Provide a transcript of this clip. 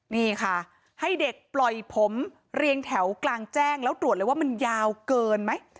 นี่ค่ะให้เด็กปล่อยผมเรียงแถวกลางแจ้งแล้วตรวจเลยว่ามันยาวเกินไหม